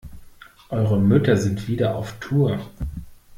Eure Mütter sind wieder auf Tour.